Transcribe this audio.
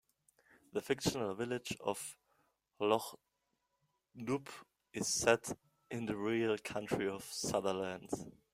The fictional village of Lochdubh is set in the real county of Sutherland.